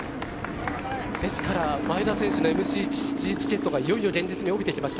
ですから前田選手のＭＧＣチケットがいよいよ現実味を帯びてきました。